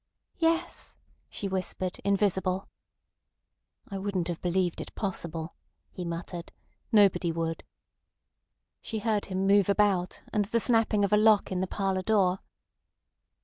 "Yes," she whispered, invisible. "I wouldn't have believed it possible," he muttered. "Nobody would." She heard him move about and the snapping of a lock in the parlour door.